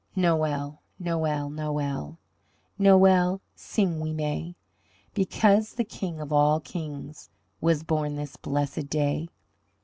Noel, noel, noel, Noel sing we may Because the King of all Kings Was born this blessed day.